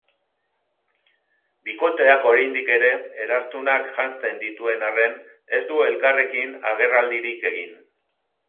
Bikoteak oraindik ere eraztunak janzten dituen arren, ez du elkarrekin agerraldirik egin.